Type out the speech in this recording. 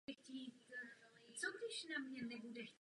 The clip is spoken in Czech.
Zaměřovač mohl být buďto jenom na levé straně nebo na obou.